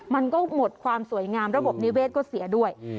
มันก็หมดความสวยงามระบบนิเวศก็เสียด้วย